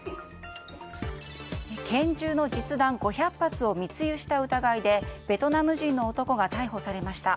拳銃の実弾５００発を密輸した疑いでベトナム人の男が逮捕されました。